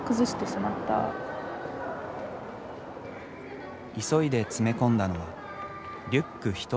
急いで詰め込んだのはリュック１つ分の荷物。